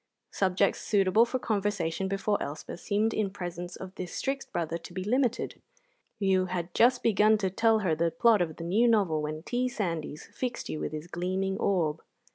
Subjects suitable for conversation before Elspeth seemed in presence of this strict brother to be limited. You had just begun to tell her the plot of the new novel when T. Sandys fixed you with his gleaming orb.